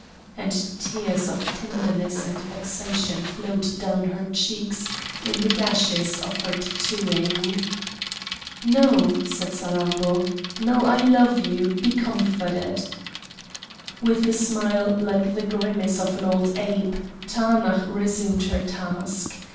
And tears of tenderness and vexation flowed down her cheeks in the gashes of her tattooing. "No!" said Salammbô, "no, I love you! be comforted!" With a smile like the grimace of an old ape, Taanach resumed her task.